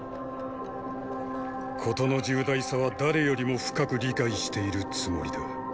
事の重大さは誰よりも深く理解しているつもりだ。